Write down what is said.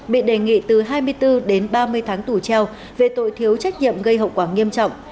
bị đề nghị từ hai mươi bốn đến ba mươi tháng tù treo về tội thiếu trách nhiệm gây hậu quả nghiêm trọng